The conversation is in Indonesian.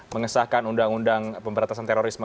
mengesahkan undang undang pemberantasan terorisme